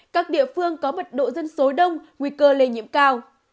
các địa phương có mật độ dân số đông nguy cơ lây nhiễm cao